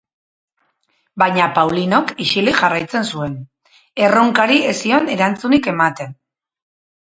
Baina Paulinok isilik jarraitzen zuen, erronkari ez zion erantzunik ematen.